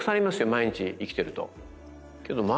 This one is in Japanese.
毎日生きてるとけどま